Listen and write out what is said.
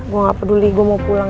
gue gak peduli gue mau pulang